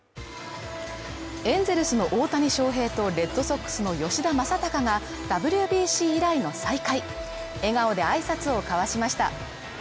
エンゼルスの大谷翔平とレッドソックスの吉田正尚がＷＢＣ以来の再会笑顔で挨拶を交わしました。